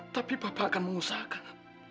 tapi papa akan mengusahakan